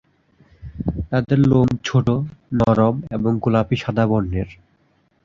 তাদের লোম ছোট, নরম এবং গোলাপী-সাদা বর্ণের।